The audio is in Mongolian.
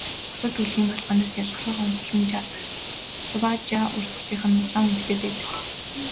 Бусад хөлгөний малгайнаас ялгарах онцлог нь Сажава урсгалынх улаан өнгөтэй байдаг.